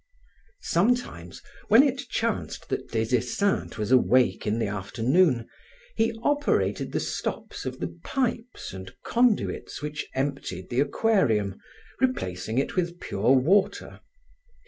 Sometimes, when it chanced that Des Esseintes was awake in the afternoon, he operated the stops of the pipes and conduits which emptied the aquarium, replacing it with pure water.